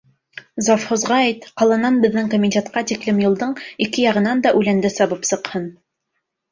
Завхозға әйт: ҡаланан беҙҙең комитетҡа тиклем юлдың ике яғынан да үләнде сабып сыҡһын.